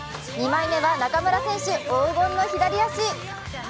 ２枚目は、中村選手、黄金の左足。